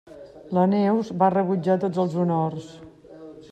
La Neus va rebutjar tots els honors.